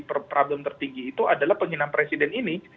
problem tertinggi itu adalah penghinaan presiden ini